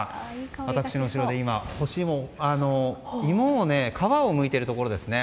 私の後ろで芋の皮をむいているところですね。